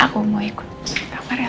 aku mau ikut ke kamarnya elsa